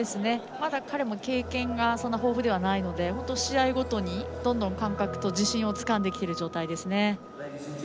まだ彼も経験が豊富ではないので本当、試合ごとにどんどん感覚と自信をつかんできてる状態ですね。